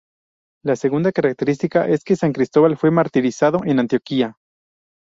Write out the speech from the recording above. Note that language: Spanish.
La segunda característica es que san Cristóbal fue martirizado en Antioquía.